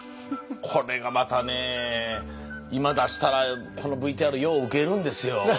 これがまたねえ今出したらこのＶＴＲようウケるんですよこれ。